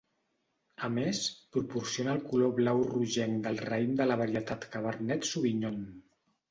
A més, proporciona el color blau rogenc del raïm de la varietat Cabernet Sauvignon.